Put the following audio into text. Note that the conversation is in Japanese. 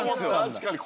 確かに。